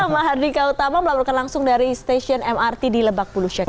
ma hardika utama melaporkan langsung dari stasiun mrt di lebak puluh syekh